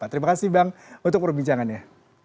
terima kasih bang untuk perbincangannya